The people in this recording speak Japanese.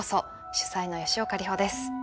主宰の吉岡里帆です。